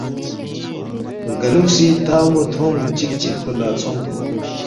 رگالوکھسی تانگمو تھونگ چک چکپو لا ژھونگ